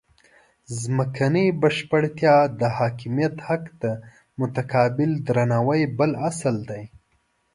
ځمکنۍ بشپړتیا او د حاکمیت حق ته متقابل درناوی بل اصل دی.